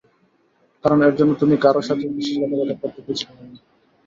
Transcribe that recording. কারণ এর জন্য তুমি কারো সাথেই বিশ্বাসঘাতকতা করতে পিছপা হবে না।